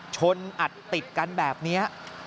อัดติดกันแบบนี้